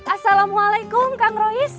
assalamualaikum kang rois